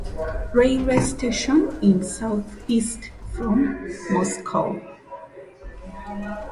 Railway station in southeast from Moscow.